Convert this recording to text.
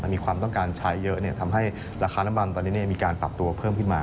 มีความต้องการใช้เยอะทำให้ราคาน้ำมันตอนนี้มีการปรับตัวเพิ่มขึ้นมา